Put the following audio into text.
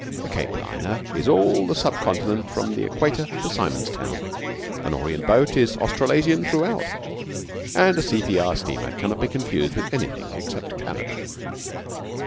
A Cape liner is all the sub Continent from the Equator to Simon's Town; an Orient boat is Australasian throughout, and a C.P.R. steamer cannot be confused with anything except Canada.